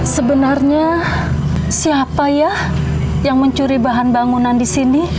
sebenarnya siapa ya yang mencuri bahan bangunan disini